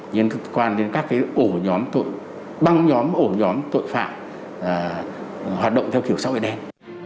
liên quan đến các ổ nhóm tội băng nhóm ổ nhóm tội phạm hoạt động theo kiểu sâu ế đen